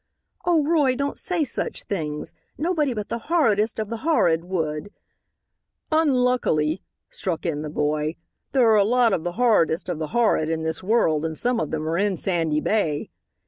"Oh, Roy, don't say such things. Nobody but the horridest of the horrid would " "Unluckily," struck in the boy, "there are a lot of the horridest of the horrid in this world, and some of them are in Sandy Bay."